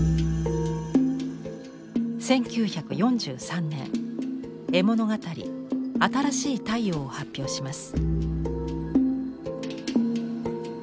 １９４３年絵物語「あたらしい太陽」を発表します。